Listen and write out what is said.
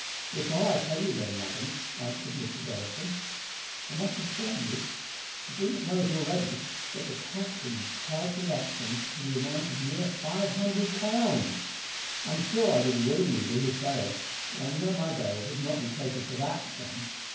"Before I tell you then, madam," answered Mrs. Ellison, "I must inform you, if you do not already know it, that the captain is charged with actions to the amount of near five hundred pounds. I am sure I would willingly be his bail; but I know my bail would not be taken for that sum.